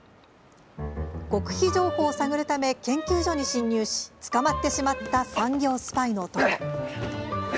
極秘情報を探るため研究所に侵入し捕まってしまった産業スパイの男。